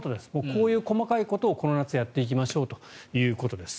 こういう細かいことをこの夏やっていきましょうということです。